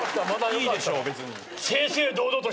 いいでしょ別に。